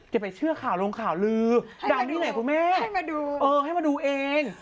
อย่าไปเชื่อข่าวลงข่าวลือดำนี้ไหนคุณแม่น่ะอ่าให้มาดูเอง